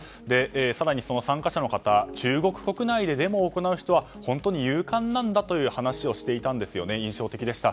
更に参加者の方中国国内でデモを行うのは本当に勇敢なんだという話をしていたのが印象的でした。